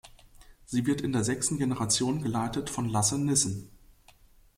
Sie wird in der sechsten Generation geleitet von Lasse Nissen.